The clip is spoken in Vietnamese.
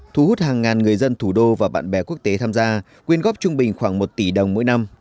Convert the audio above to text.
thu hút hàng ngàn người dân thủ đô và bạn bè quốc tế tham gia quyên góp trung bình khoảng một tỷ đồng mỗi năm